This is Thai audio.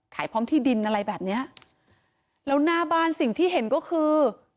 พร้อมที่ดินอะไรแบบเนี้ยแล้วหน้าบ้านสิ่งที่เห็นก็คือ